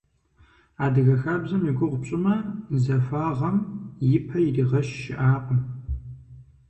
Адыгэ хабзэм и гугъу пщӀымэ – захуагъэм и пэ иригъэщ щыӀакъым.